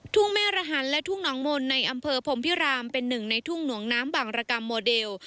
แม่ระหันและทุ่งหนองมนต์ในอำเภอพรมพิรามเป็นหนึ่งในทุ่งหน่วงน้ำบางรกรรมโมเดล